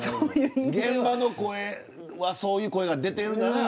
現場からはそういう声が出てるなら。